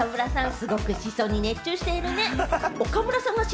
すごくシソに熱中しているね。